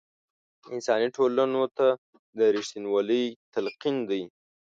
انساني ټولنو ته د رښتینوالۍ تلقین دی.